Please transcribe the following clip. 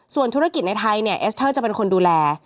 ส่วนธุรกิจในไทยเนี่ยเอสเตอร์จะเป็นคนดูแล